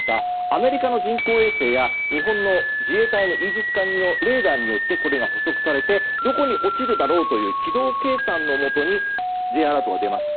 アメリカの人工衛星や日本の自衛隊のイージス艦のレーダーによって補足されてどこに落ちるだろうという軌道計算のもとにＪアラートが出ます。